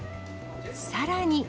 さらに。